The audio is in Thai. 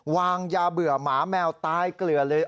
วางยาเบื่อหมาแมวตายเกลือเลย